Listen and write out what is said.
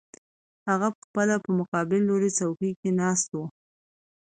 هغه پخپله په مقابل لوري څوکۍ کې ناست و